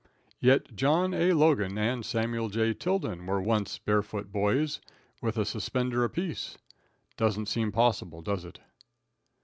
Yet John A. Logan and Samuel J. Tilden were once barefooted boys, with a suspender apiece. It doesn't seem possible, does it?